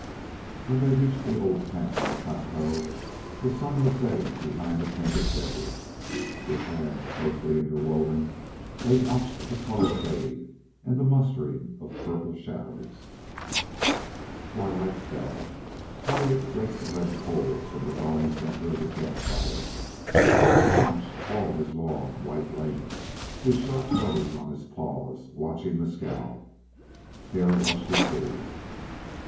When they reached the old camp on the plateau the sun was setting behind the Painted Desert. With hands closely interwoven they watched the color fade and the mustering of purple shadows. Twilight fell. Piute raked the red coals from the glowing centre of the camp fire. Wolf crouched all his long white length, his sharp nose on his paws, watching Mescal. Hare watched her, too.